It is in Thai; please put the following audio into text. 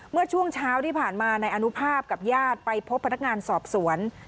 เมื่อช่วงเช้าที่ผ่านมานายอนุภาพกับญาติไปพบพนักงานสอบสวน